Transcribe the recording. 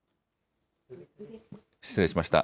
失礼しました。